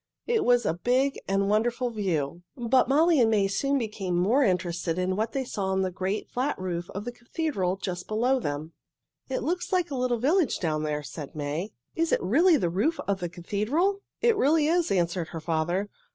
It was a big and wonderful view, but Molly and May soon became more interested in what they saw on the great, flat roof of the cathedral just below them. "It looks like a little village down there," said May. "Is it really the roof of the cathedral?" "It really is," answered her father.